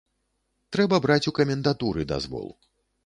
Трэба браць у камендатуры дазвол.